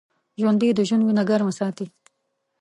ژوندي د ژوند وینه ګرمه ساتي